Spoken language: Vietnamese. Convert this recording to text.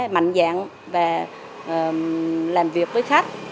mạnh dạng và làm việc với khách